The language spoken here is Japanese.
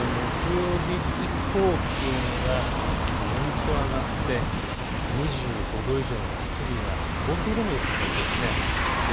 ちょうど木曜日以降、気温がぐっと上がって２５度以上の夏日が東京でも予想されているんです。